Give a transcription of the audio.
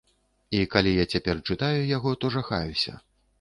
І калі я цяпер чытаю яго, то жахаюся.